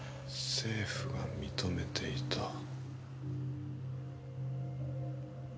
政府が認めていた。